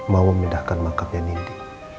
mau memindahkan mangkapnya nindi